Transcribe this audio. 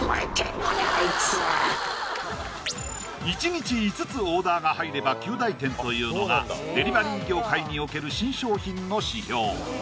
１日５つオーダーが入れば及第点というのがデリバリー業界における新商品の指標